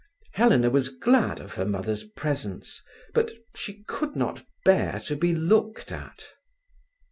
Helena was glad of her mother's presence, but she could not bear to be looked at.